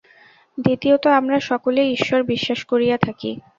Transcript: দ্বিতীয়ত আমরা সকলেই ঈশ্বর বিশ্বাস করিয়া থাকি।